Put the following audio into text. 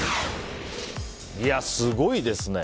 すごいですね。